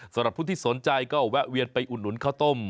สำหรับผู้ที่สนใจก็แวะเวียนไปอุดหนุนข้าวต้ม